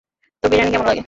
তোর বিরিয়ানি কেমন লাগে?